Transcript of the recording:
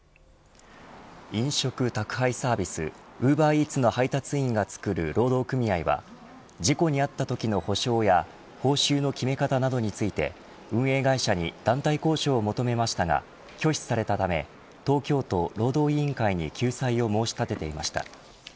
飲食宅配サービスウーバーイーツの配達員が作る労働組合は事故に遭ったときの保障や報酬の決め方などについて運営会社に団体交渉を求めましたが拒否されたため東京都労働委員会に救済を申し立てていました。